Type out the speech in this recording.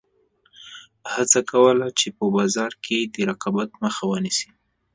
هڅه کوله چې په بازار کې د رقابت مخه ونیسي.